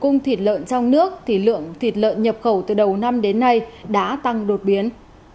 cùng thịt lợn trong nước thì lượng thịt lợn nhập khẩu từ đầu năm đến nay đã tăng đột biến